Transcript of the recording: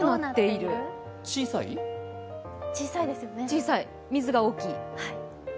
小さい？「水」が大きい。